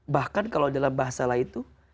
bahkan kalau dalam bahasa lain itu